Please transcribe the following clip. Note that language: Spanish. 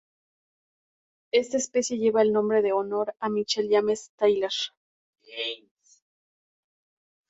Esta especie lleva el nombre en honor a Michael James Tyler.